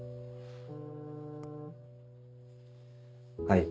はい。